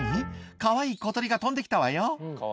かわいい小鳥が飛んできたわよ」